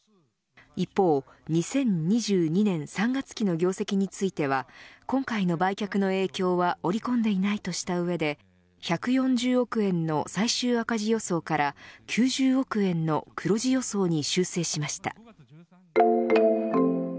一方２０２２年３月期の業績については今回の売却の影響は織り込んでいないとした上で１４０億円の最終赤字予想から９０億円の黒字予想に修正しました。